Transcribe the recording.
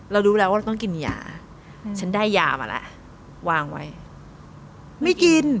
รู้แล้วว่าเราต้องกินยาฉันได้ยามาแล้ววางไว้ไม่กิน